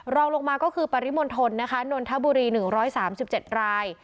รองลงมาก็คือปริมณฑลนะคะนนทบุรี๑๓๗ราย